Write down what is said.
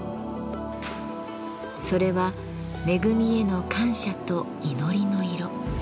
それは恵みへの感謝と祈りの色。